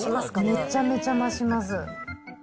めちゃめちゃ増します。